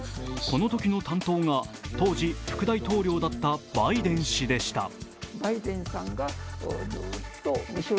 このときの担当が当時、副大統領だったバイデン氏でした。